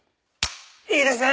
いいですね。